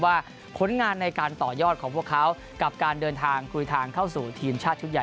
ว่าผลงานในการต่อยอดของพวกเขากับการเดินทางคุยทางเข้าสู่ทีมชาติชุดใหญ่